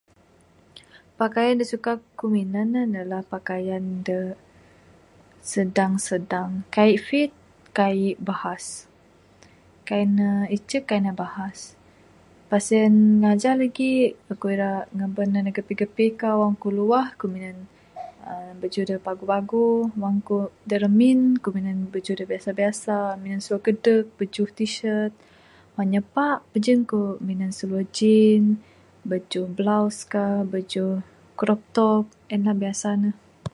Pakaian da suka ku minan ne, ne lah pakaian da sedang-sedang. Kai fit, kai bahas, kai ne icuk kai ne bahas. Pak sien, ngajah lagi, aku ira ngaban ne gapih-gapih kah wang kau luah, aku minan ar bajuh da paguh-paguh. Wang ku da ramin, aku mina bajuh da biasa-biasa, minan seluar kedug, bajuh T-shirt. Wang nyapa, pajin aku mina seluar jean, bajuh blouse kah, bajuh kroptop. En lah biasa ne.